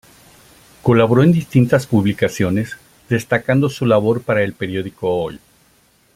Colaboró en distintas publicaciones, destacando su labor para el periódico Hoy.